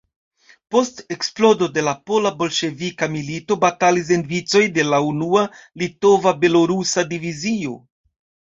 Post eksplodo de la pola-bolŝevika milito batalis en vicoj de la unua Litova-Belorusa Divizio.